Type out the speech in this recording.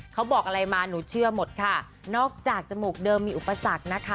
เขาบอกอะไรมาหนูเชื่อหมดค่ะนอกจากจมูกเดิมมีอุปสรรคนะคะ